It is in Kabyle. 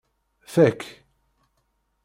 Fak.